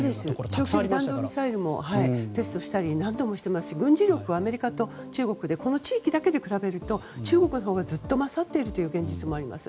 長距離弾道ミサイルをテストしたり何度もしていますし軍事力はアメリカと中国でこの地域だけで比べると中国のほうがずっと勝っている現実もあって。